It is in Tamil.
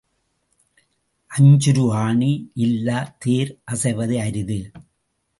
அஞ்சுரு ஆணி இல்லாத் தேர் அசைவது அரிது.